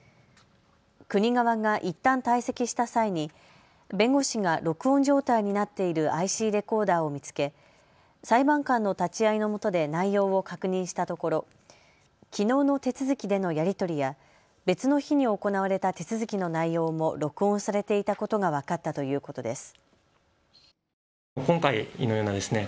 国側がいったん退席した際に弁護士が録音状態になっているＩＣレコーダーを見つけ裁判官の立ち会いのもとで内容を確認したところ、きのうの手続きでのやり取りや別の日に行われた手続きの内容も録音されていたことが分かったということです。